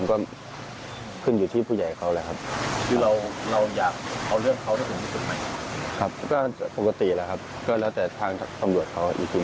ก็ปกติแหละครับก็แล้วแต่ทางสำรวจเค้าจริง